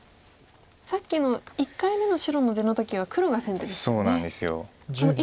さっきの１回目の白の出の時は黒が先手でしたよね。